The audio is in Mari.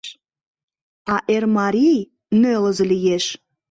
А Эрмарий нӧлызӧ лиеш.